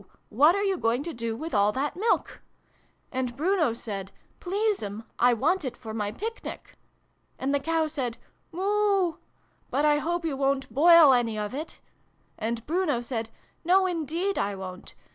What are you going to do with all that Milk ?' And Bruno said ' Please'm, I want it for my Picnic.' And the Cow said ' Moo ! But I hope you wo'n't boil any of it ?' And Bruno said ' No, indeed I won't!